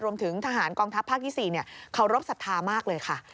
รวมถึงทหารกองทัพภาคที่๔เคารพสัทธามากเลยค่ะ